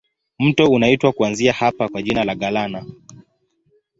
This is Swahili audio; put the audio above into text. Mto unaitwa kuanzia hapa kwa jina la Galana.